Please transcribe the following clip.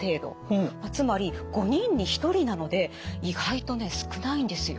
つまり５人に１人なので意外とね少ないんですよ。